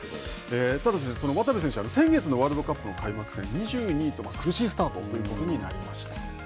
ただ、渡部選手、先月のワールドカップの開幕戦２２位と苦しいスタートとなりました。